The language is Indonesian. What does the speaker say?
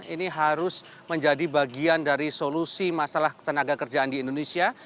ini harus menjadi bagian dari solusi masalah ketenaga kerjaan di indonesia